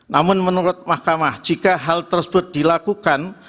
namun menurut mahkamah jika hal tersebut dilakukan